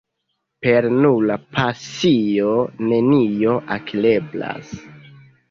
Per nura pasio nenio akireblas.